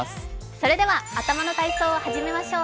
それでは頭の体操を始めましょう。